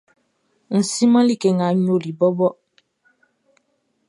N siman like nga n yoliʼn bɔbɔ.